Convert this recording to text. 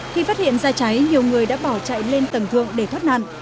khi phát hiện ra cháy nhiều người đã bỏ chạy lên tầng thượng để thoát nạn